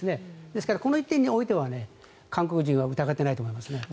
ですからこの１点においては韓国人は疑っていないと思いますね。